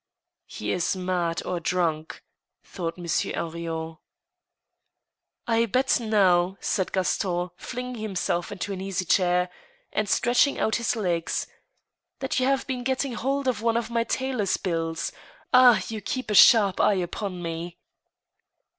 •^He is mad or drunk," thought Monsieur Henrion. *• I bet now," said Gaston, flinging himself into an easy chair, * and stretching out his legs, " that you have been getting hold of one of my tailor's bills. ... Ah ! you keep a sharp eye upon me